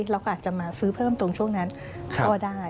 เราก็อาจจะมาซื้อเพิ่มตรงช่วงนั้นก็ได้